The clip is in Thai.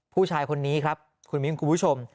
ผู้ชายคนนี้ครับคุณมิ้นคุณผู้ชม